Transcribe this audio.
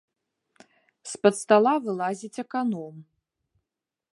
З-пад стала вылазіць аканом.